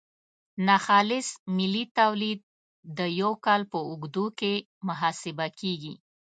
ناخالص ملي تولید د یو کال په اوږدو کې محاسبه کیږي.